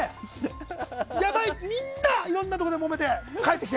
みんな、いろんなところでもめて帰ってきて。